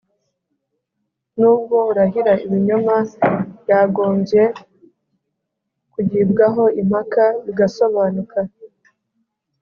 N’ubwo urahira ibinyoma yagombye kugibwaho impaka bigasobanuka